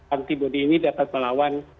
antibody ini dapat melawan